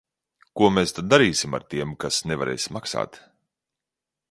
Ko mēs tad darīsim ar tiem, kas nevarēs maksāt?